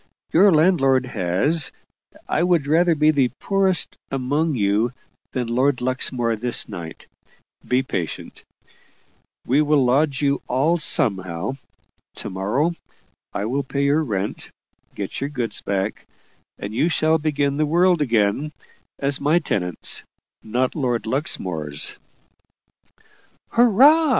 Your landlord has I would rather be the poorest among you than Lord Luxmore this night. Be patient; we'll lodge you all somehow. To morrow I will pay your rent get your goods back and you shall begin the world again, as my tenants, not Lord Luxmore's." "Hurrah!"